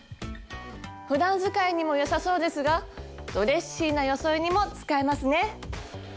ふだん使いにも良さそうですがドレッシーな装いにも使えますね。